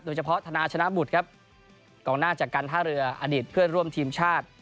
ธนาชนะบุตรครับกองหน้าจากการท่าเรืออดีตเพื่อนร่วมทีมชาติ